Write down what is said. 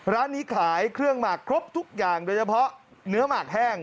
ร้านนี้ขายเครื่องหมักครบทุกอย่างโดยเฉพาะเนื้อหมักแห้ง